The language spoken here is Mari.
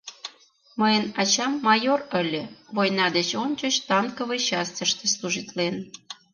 — Мыйын ачам майор ыле, война деч ончыч танковый частьыште служитлен.